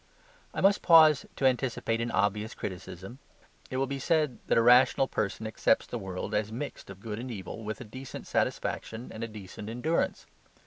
I must pause to anticipate an obvious criticism. It will be said that a rational person accepts the world as mixed of good and evil with a decent satisfaction and a decent endurance.